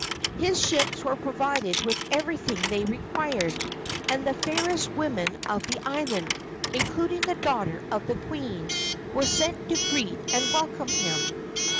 His ships were provided with everything they required, and the fairest women of the island, including the daughter of the queen, were sent to greet and welcome him.